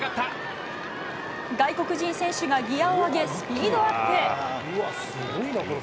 外国人選手がギアを上げ、スピードアップ。